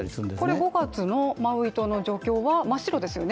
これ５月のマウイ島の状況は真っ白ですよね。